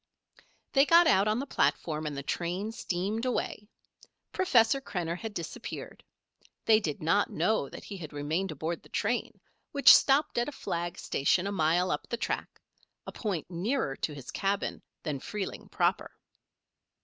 They got out on the platform and the train steamed away. Professor Krenner had disappeared. They did not know that he had remained aboard the train, which stopped at a flag station a mile up the track a point nearer to his cabin than Freeling proper.